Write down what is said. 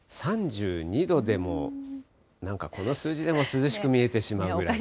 ３２度でも、なんかこの数字でも涼しく見えてしまうくらい。